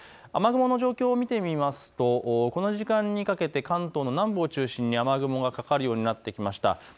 雨雲の状況を見てみますとこの時間にかけて関東の南部を中心に雨雲がかかるようになってきました。